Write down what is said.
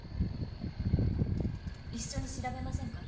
一緒に調べませんか？